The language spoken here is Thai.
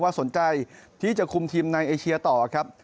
มีเจ้าน้ำเท่าใดเช้าว่าสนใจที่จะคุมทีมในไอเชียต่อครับ